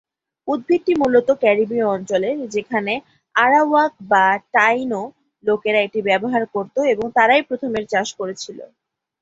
উদ্ভিদটি মূলত ক্যারিবীয় অঞ্চলের, যেখানে আরাওয়াক/টাইনো লোকেরা এটি ব্যবহার করত এবং তারাই প্রথম এর চাষ করেছিল।